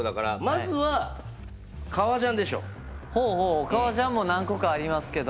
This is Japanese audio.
ほうほう革ジャンも何個かありますけども。